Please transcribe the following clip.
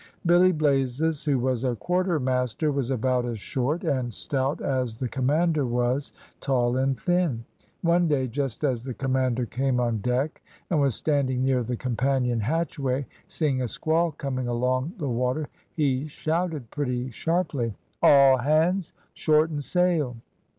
Billy Blazes, who was a quartermaster, was about as short and stout as the commander was tall and thin. One day, just as the commander came on deck, and was standing near the companion hatchway, seeing a squall coming along the water, he shouted pretty sharply "`All hands, shorten sail!'